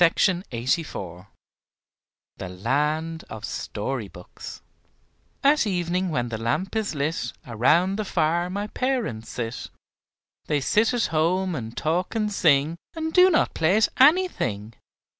MARY HOWITT THE LAND OF STORY BOOKS At evening when the lamp is lit, Around the fire my parents sit; They sit at home and talk and sing. And do not play at anything.